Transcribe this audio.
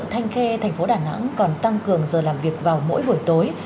thế thành phố đà nẵng còn tăng cường giờ làm việc vào mỗi buổi tối